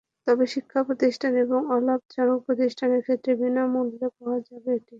তবে শিক্ষাপ্রতিষ্ঠান এবং অলাভজনক প্রতিষ্ঠানের ক্ষেত্রে বিনা মূল্যে পাওয়া যাবে এটি।